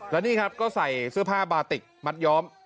แล้วนี่ครับก็ใส่เสื้อผ้าบาติกมัดย้อม